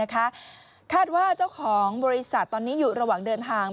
คาดว่าเจ้าของบริษัทตอนนี้อยู่ระหว่างเดินทาง